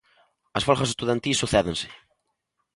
As folgas estudantís sucédense.